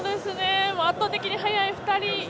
圧倒的に速い２人